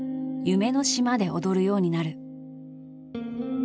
「夢の島」で踊るようになる。